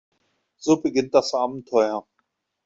Und so beginnt das Abenteuer.